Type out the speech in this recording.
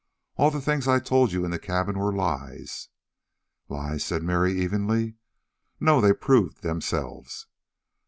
All the things I told you in the cabin were lies." "Lies?" said Mary evenly. "No, they proved themselves."